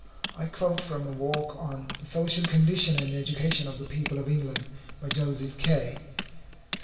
I quote from a work on "The Social Condition and Education of the People of England," by Joseph Kay, Esq.